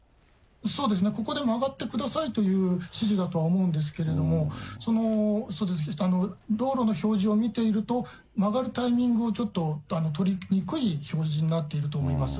そうですね、ここで曲がってくださいという指示だとは思うんですけれども、そうですね、道路の表示を見ていると、曲がるタイミングをちょっと取りにくい表示になっていると思います。